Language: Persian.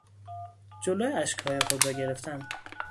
جلو اشکهای خود را گرفتن